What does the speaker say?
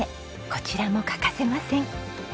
こちらも欠かせません。